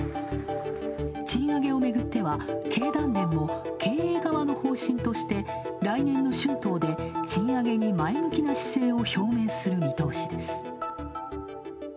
賃上げをめぐっては経団連も経営側の方針として、来年の春闘で賃上げに前向きな姿勢を表明する見通しです。